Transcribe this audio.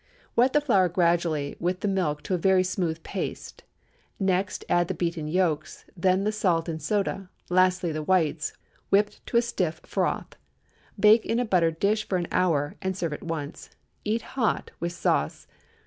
Wet the flour gradually with the milk to a very smooth paste; next add the beaten yolks, then the salt and soda, lastly the whites, whipped to a stiff froth. Bake in a buttered dish for an hour, and serve at once. Eat hot, with sauce.